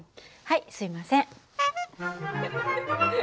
はいすみません。